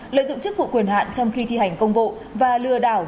lợi dụng chức vụ quyền hạn trong khi thi hành công vụ và lừa đảo